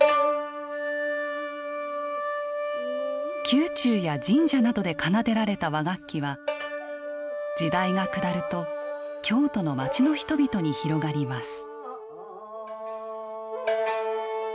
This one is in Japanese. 宮中や神社などで奏でられた和楽器は時代が下ると京都の街の人々に広がります。